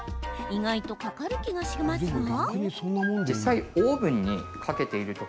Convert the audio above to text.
意外と、かかる気がしますが。